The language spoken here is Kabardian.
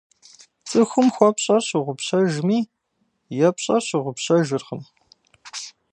ЦӀыхум хуэпщӀэр щыгъупщэжми, епщӀэр щыгъупщэжыркъым.